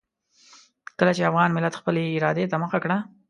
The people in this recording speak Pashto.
کله چې افغان ملت خپلې ارادې ته مخه کړه.